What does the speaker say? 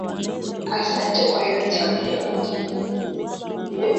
Asante kwa yote.